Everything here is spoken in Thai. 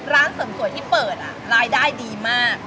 ร้านเสริมสวยที่เปิดรายได้ดีมาก